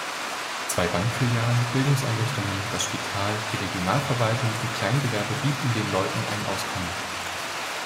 Zwei Bankfilialen, Bildungseinrichtungen, das Spital, die Regionalverwaltung und Kleingewerbe bieten den Leuten ein Auskommen.